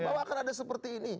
bahwa akan ada seperti ini